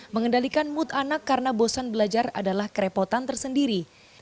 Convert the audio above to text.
mengendalikan mood anak karena bosan belajar adalah kerepotan tersendiri